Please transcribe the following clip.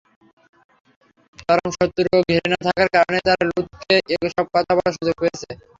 চরম শত্রুতা ও ঘৃণা থাকার কারণেই তারা লূতকে এ কথা বলার সুযোগ পেয়েছে।